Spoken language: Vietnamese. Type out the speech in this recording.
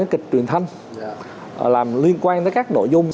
kịch truyền thanh làm liên quan tới các nội dung